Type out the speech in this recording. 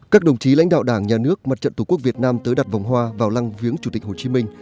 các đồng chí lãnh đạo đảng nhà nước mặt trận tổ quốc việt nam tới đặt vòng hoa vào lăng viếng chủ tịch hồ chí minh